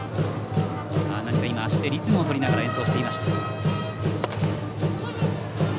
足でリズムをとりながら演奏していました。